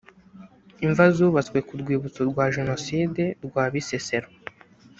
imva zubatswe ku rwibutso rwa jenoside rwa bisesero